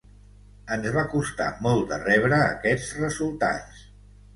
Ens va costar molt de rebre aquests resultats.